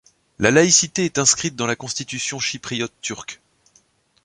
La laïcité est inscrite dans la constitution chypriote turque.